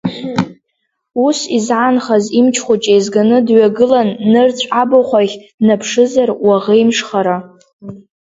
Ус, изаанхаз имч хәыҷы еизганы дҩагылан нырцә абахә ахь днаԥшызар уаӷеимшхара.